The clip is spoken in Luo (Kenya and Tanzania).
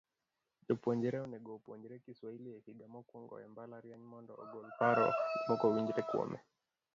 Jopuonjre onego opuonjre Kiswahili e higa mokwongo e mbalariany mondo ogol paro mokowinjore kuome.